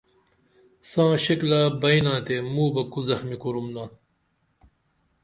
ساں شکلہ بئ نائتے موبہ کو زخمی کُورمنا